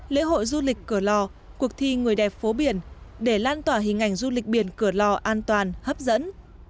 lễ hội du lịch cửa lò cuộc thi người đẹp phố biển để lan tỏa hình ảnh du lịch biển cửa lò an toàn hấp dẫn